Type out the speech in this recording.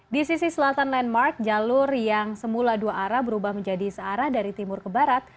di sisi selatan landmark jalur yang semula dua arah berubah menjadi searah dari timur ke barat